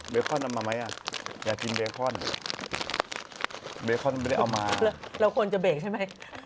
คอนเอามาไหมอ่ะอยากกินเบคอนเบคอนไม่ได้เอามาเราควรจะเบรกใช่ไหม